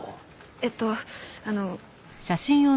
えっとあの。